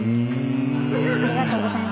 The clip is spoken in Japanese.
ありがとうございます。